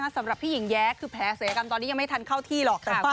สำหรับพี่หญิงแย้คือแผลศัยกรรมตอนนี้ยังไม่ทันเข้าที่หรอกค่ะ